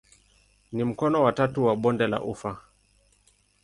Ni mkono wa tatu wa bonde la ufa.